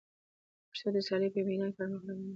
پښتو د سیالۍ په میدان کي پر مخ روانه ده.